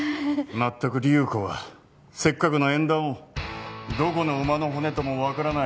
全く流子はせっかくの縁談をどこの馬の骨とも分からない